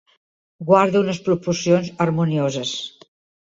Guarda unes proporcions harmonioses.